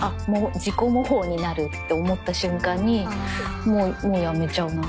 自己模倣になるって思った瞬間にもうやめちゃうな。